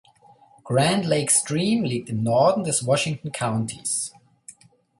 Grand Lake Stream liegt im Norden des Washington Countys.